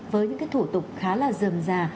với những cái thủ tục khá là dầm dà